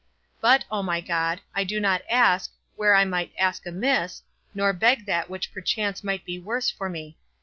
But, O my God, I do not ask, where I might ask amiss, nor beg that which perchance might be worse for me.